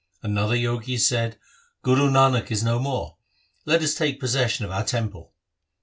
' Another Jogi said, ' Guru Nanak is no more, let us take possession of our temple.'